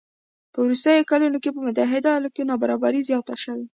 په وروستیو کلونو کې په متحده ایالاتو کې نابرابري زیاته شوې